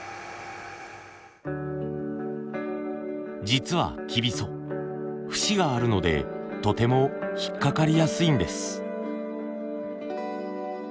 実はきびそ節があるのでとても引っかかりやすいんです。